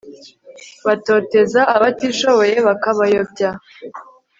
batoteza abatishoboye bakabayobya